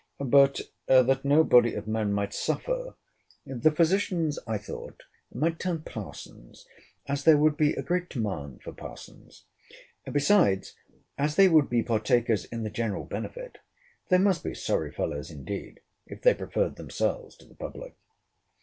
But, that no body of men might suffer, the physicians, I thought, might turn parsons, as there would be a great demand for parsons. Besides, as they would be partakers in the general benefit, they must be sorry fellows indeed if they preferred themselves to the public.